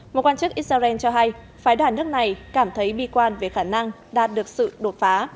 một quan chức israel cho hay phái đoàn nước này cảm thấy bi quan về khả năng đạt được sự đột phá